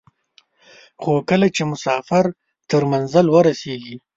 خو کله چې مسافر تر منزل ورسېږي.